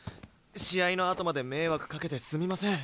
試合のあとまで迷惑かけてすみません。